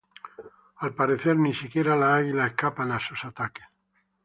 Al parecer, ni siquiera las águilas escapan a sus ataques.